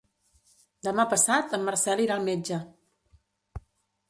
Demà passat en Marcel irà al metge.